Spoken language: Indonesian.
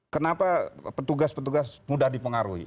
kenapa petugas petugas mudah dipengaruhi